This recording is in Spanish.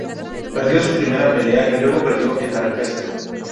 Perdió su primera pelea y luego perdió en la repesca.